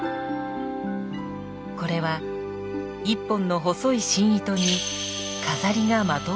これは１本の細い芯糸に飾りがまとわりつくもの。